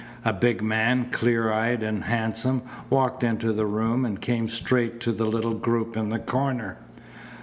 A big man, clear eyed and handsome, walked into the room and came straight to the little group in the corner.